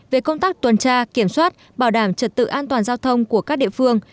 về công tác tuần tra kiểm soát bảo đảm trật tự an toàn giao thông của các địa phương